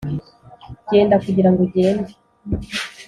genda kugirango ugende